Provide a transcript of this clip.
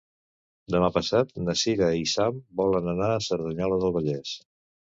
Demà passat na Cira i en Sam volen anar a Cerdanyola del Vallès.